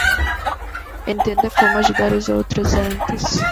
Entenda como ajudar os outros antes